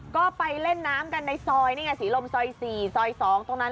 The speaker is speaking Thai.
ก็ไปเล่นน้ำกันในซอยนี่ไงศรีลมซอย๔ซอย๒ตรงนั้น